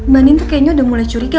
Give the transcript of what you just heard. bandin tuh kayaknya udah mulai curiga